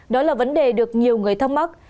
đây là vấn đề được nhiều người thắc mắc